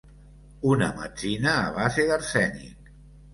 Una metzina a base d'arsènic.